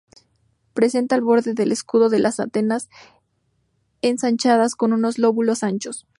Presenta el borde del escudo de las antenas ensanchados con unos lóbulos anchos.